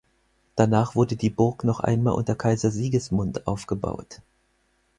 Danach wurde die Burg noch einmal unter Kaiser Sigismund aufgebaut.